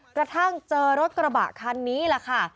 กระทั่งเจอรถกระบะคันนี้แหละค่ะ